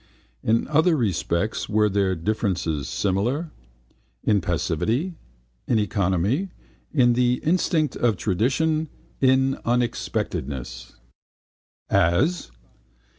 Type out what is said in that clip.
In other respects were their differences similar? In passivity, in economy, in the instinct of tradition, in unexpectedness. As?